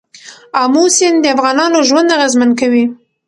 آمو سیند د افغانانو ژوند اغېزمن کوي.